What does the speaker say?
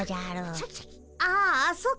ああそっか。